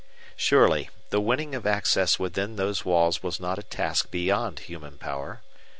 Surely, the winning of access within those walls was not a task beyond human power.